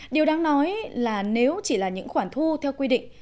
điều đáng nói là nếu chỉ là những khoản thu theo quy định